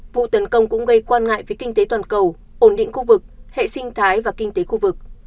vụ tấn công cũng gây quan ngại với kinh tế toàn cầu ổn định khu vực hệ sinh thái và kinh tế khu vực